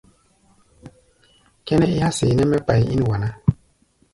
Kʼɛ́nɛ́ é há̧ seeʼnɛ́ mɛ́ kpai ín wa ná.